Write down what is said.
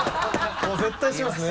もう絶対しますね。